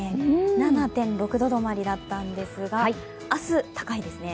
７．６度止まりだったんですが明日、高いですね。